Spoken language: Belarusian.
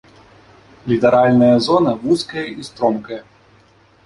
Літаральная зона вузкая і стромкая.